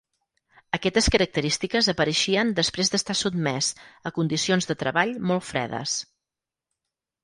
Aquestes característiques apareixien després d'estar sotmès a condicions de treballs molt fredes.